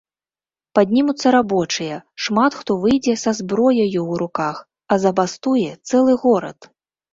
Паднімуцца рабочыя, шмат хто выйдзе са зброяю ў руках, а забастуе цэлы горад!